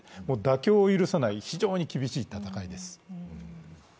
もう妥協を許さない非常に厳しい戦いです。